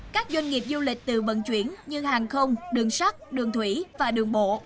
các doanh nghiệp du lịch từ vận chuyển như hàng không đường sắt đường thủy và đường bộ